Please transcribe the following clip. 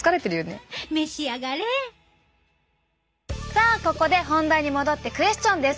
さあここで本題に戻ってクエスチョンです！